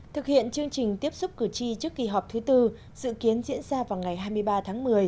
thực hiện chương trình tiếp xúc cử tri trước kỳ họp thứ tư dự kiến diễn ra vào ngày hai mươi ba tháng một mươi